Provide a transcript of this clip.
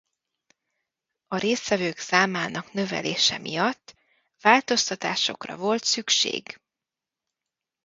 A résztvevők számának növelése miatt változtatásokra volt szükség.